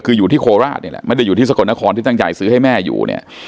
คืออยู่ที่โคราชนี่แหละไม่ได้อยู่ที่สกลนครที่ตั้งใจซื้อให้แม่อยู่เนี่ย